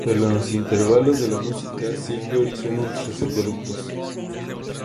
En los intervalos de la música, Silvio hizo anuncios de productos.